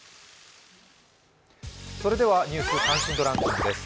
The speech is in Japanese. ニュース関心度ランキングです。